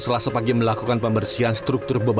struktur bebatuan candi dengan tekanan air yang berbeda